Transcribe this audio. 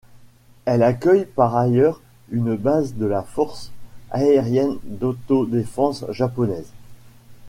Elle accueille par ailleurs une base de la force aérienne d'autodéfense japonaise.